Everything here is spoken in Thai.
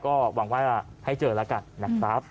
ก็หวังว่าให้เจอแล้วกันนะครับ